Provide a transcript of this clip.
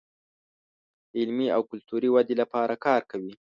د علمي او کلتوري ودې لپاره کار کوي.